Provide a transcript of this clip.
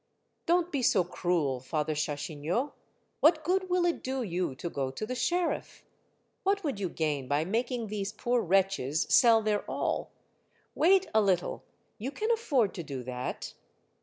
'' Don't be so cruel, Father Chachignot ; what good will it do you to go to the sheriff? What would you gain by making these poor wretches sell their all? Wait a little. You can afford to do that."